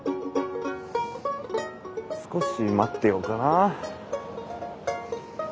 少し待ってようかな。